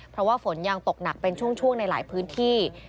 เพราะว่าฝนยังตกหนักเป็นช่วงในหลายพื้นที่